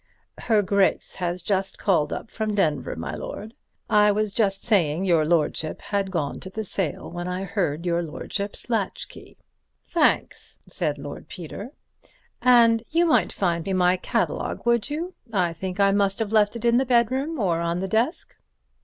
"Her Grace has just called up from Denver, my lord. I was just saying your lordship had gone to the sale when I heard your lordship's latchkey." "Thanks," said Lord Peter; "and you might find me my catalogue, would you? I think I must have left it in my bedroom, or on the desk."